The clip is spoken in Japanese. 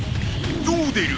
どう出る！？